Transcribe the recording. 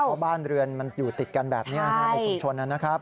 เพราะบ้านเรือนมันอยู่ติดกันแบบนี้ในชุมชนนะครับ